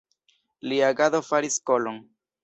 Lia agado faris skolon.